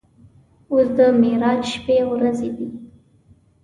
اوس د معراج شپې او ورځې دي.